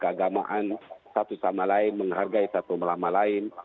kepahaman kekoleransi agama satu sama lain menghargai satu malama lain